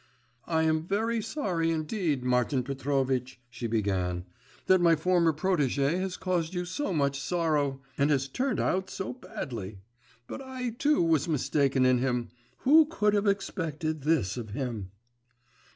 … 'I am very sorry indeed, Martin Petrovitch,' she began, 'that my former protégé has caused you so much sorrow, and has turned out so badly. But I, too, was mistaken in him.… Who could have expected this of him?